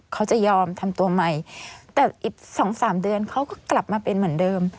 เขาจะยอมทำตัวใหม่แต่อีก๒๓เดือนเขาก็กลับมาเป็นเหมือนเดิม